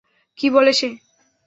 কী বলে সে?